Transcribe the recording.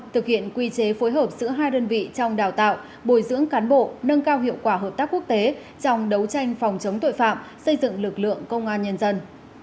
thực hiện quy chế phối hợp giữa hai đơn vị trong đào tạo bồi dưỡng cán bộ nâng cao hiệu quả hợp tác quốc tế trong đấu tranh phòng chống tội phạm xây dựng lực lượng công an nhân dân